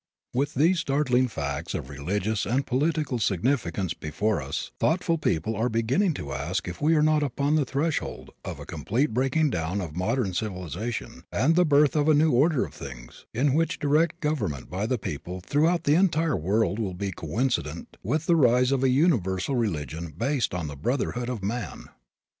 With these startling facts of religious and political significance before us thoughtful people are beginning to ask if we are not upon the threshold of a complete breaking down of modern civilization and the birth of a new order of things, in which direct government by the people throughout the entire world will be coincident with the rise of a universal religion based on the brotherhood of man.